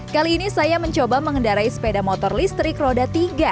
kali ini saya mencoba mengendarai sepeda motor listrik roda tiga